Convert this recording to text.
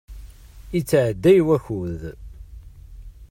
Ittɛedday wakud.